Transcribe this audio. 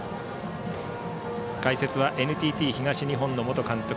解説はＮＴＴ東日本の元監督